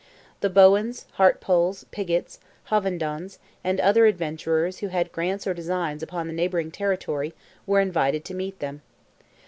The Bowens, Hartpoles, Pigotts, Hovendons, and other adventurers who had grants or designs upon the neighbouring territory were invited to meet them.